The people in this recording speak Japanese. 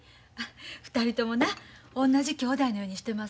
２人ともな同じ兄弟のようにしてます